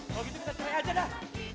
kalau gitu kita cerai aja dah